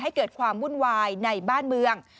ให้เกิดความวุ่นวายในบ้านเมือง